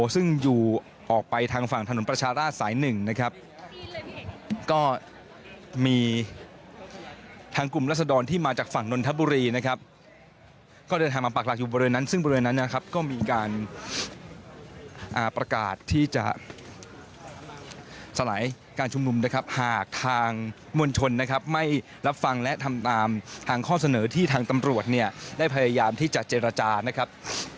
ซึ่งอยู่ออกไปทางฝั่งถนนประชาราชสายหนึ่งนะครับก็มีทางกลุ่มรัศดรที่มาจากฝั่งนนทบุรีนะครับก็เดินทางมาปากหลักอยู่บริเวณนั้นซึ่งบริเวณนั้นนะครับก็มีการประกาศที่จะสลายการชุมนุมนะครับหากทางมวลชนนะครับไม่รับฟังและทำตามทางข้อเสนอที่ทางตำรวจเนี่ยได้พยายามที่จะเจรจานะครับ